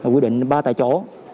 quy định ba tại chỗ